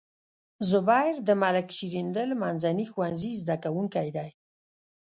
زبير د ملک شیریندل منځني ښوونځي زده کوونکی دی.